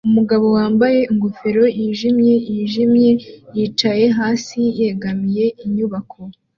Umugabo wambaye ingofero yijimye yijimye yicaye hasi yegamiye inyubako